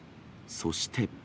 そして。